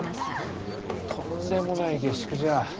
とんでもない下宿じゃ。